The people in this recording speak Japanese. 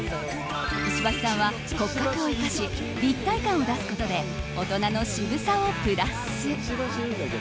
石橋さんは骨格を生かし立体感を出すことで大人の渋さをプラス。